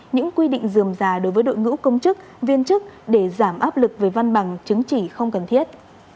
những quy định dườm già đối với đội ngũ công chức viên chức để giảm áp lực về văn bằng chứng chỉ không cần thiết